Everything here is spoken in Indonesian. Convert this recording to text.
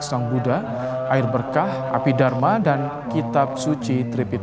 sang buddha air berkah api dharma dan kitab suci tripit